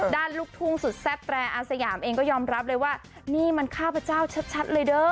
ลูกทุ่งสุดแซ่บแตรอาสยามเองก็ยอมรับเลยว่านี่มันข้าพเจ้าชัดเลยเด้อ